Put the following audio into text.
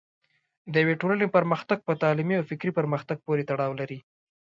د یوې ټولنې پرمختګ په تعلیمي او فکري پرمختګ پورې تړاو لري.